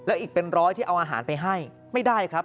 ผมทำไม่ได้ต้องดูแลหมาและแมวจรต่อไป